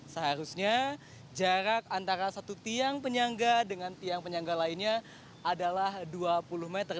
seharusnya jarak antara satu tiang penyangga dengan tiang penyangga lainnya adalah dua puluh meter